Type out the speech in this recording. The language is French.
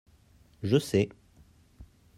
je sais.